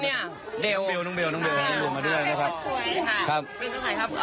น้องเบลน้องเบลน้องเบลน้องเบลมาด้วยนะครับครับครับครับ